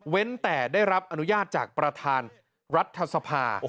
เว้นแต่ได้รับอนุญาตจากประธานรัฐธรรพา